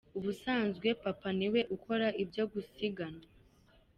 Ubusanzwe papa niwe ukora ibyo gusiganwa.